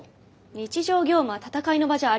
日常業務は戦いの場じゃありません。